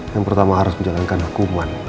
yang pertama harus menjalankan hukuman